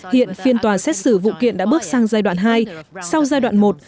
hiện phiên tòa xét xử vụ kiện đã bước sang giai đoạn hai sau giai đoạn một